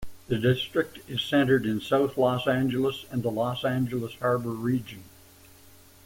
The district is centered in South Los Angeles and the Los Angeles Harbor Region.